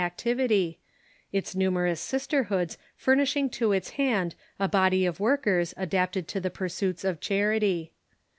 ... activit}', its numerous sisterhoods furnishing to its hand a body of workers adapted to the pursuits of charity.